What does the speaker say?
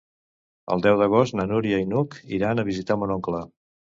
El deu d'agost na Núria i n'Hug iran a visitar mon oncle.